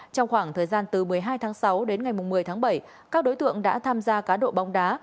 trong khoảng thời gian từ một mươi hai tháng sáu đến ngày một mươi tháng bảy các đối tượng đã tham gia cá độ bóng đá